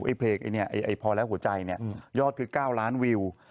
ไอ้เพลงไอ้พอแล้วหัวใจเนี่ยยอดคือ๙ล้านวิว